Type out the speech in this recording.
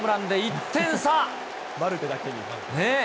マルテだけに。